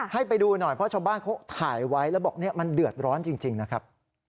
ให้ไปดูหน่อยเพราะชาวบ้านเขาถ่ายไว้แล้วบอกเนี่ยมันเดือดร้อนจริงนะครับ